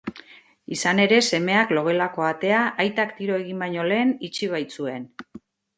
Izan ere, semeak logelako atea aitak tiro egin baino lehen itxi baitzuen.